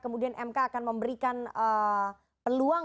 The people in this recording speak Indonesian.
kemudian mk akan memberikan peluang